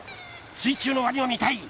水中のワニを見たい。